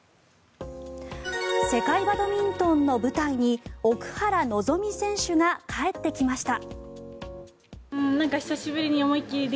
世界バドミントンの舞台に奥原希望選手が帰ってきました。